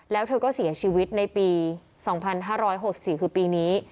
แล้วเธอก็เสียชีวิตในปีสองพันห้าร้อยหกสิบสี่คือปีนี้